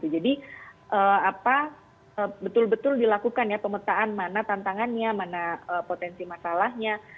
jadi betul betul dilakukan ya pemetaan mana tantangannya mana potensi masalahnya